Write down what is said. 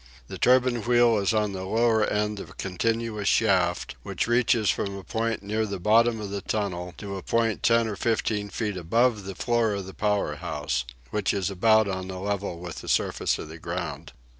The turbine wheel is on the lower end of a continuous shaft, which reaches from a point near the bottom of the tunnel to a point ten or fifteen feet above the floor of the power house (which is about on a level with the surface of the ground).